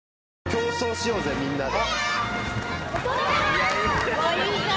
競走しようぜみんなで。